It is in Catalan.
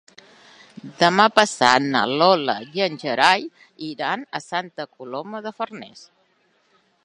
Demà passat na Lola i en Gerai iran a Santa Coloma de Farners.